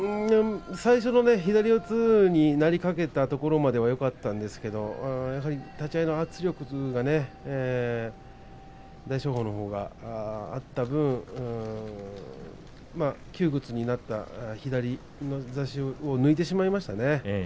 最初の左四つになりかけたところまではよかったんですがやはり立ち合いの圧力が大翔鵬のほうがあった分窮屈になった左足を抜いてしまいましたね